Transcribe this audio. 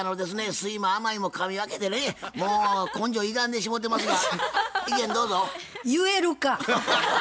酸いも甘いもかみ分けてねもう根性ゆがんでしもうてますが意見どうぞ。言えるか。